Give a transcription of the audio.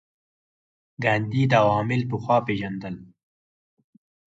ګاندي دا عوامل پخوا پېژندل.